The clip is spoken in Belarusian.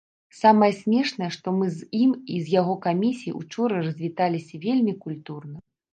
Самае смешнае, што мы з ім і з яго камісіяй учора развіталіся вельмі культурна.